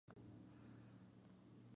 Compitió en tres campeonatos mundiales.